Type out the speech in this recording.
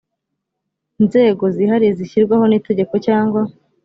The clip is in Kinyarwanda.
nzego zihariye zishyirwaho n itegeko cyangwa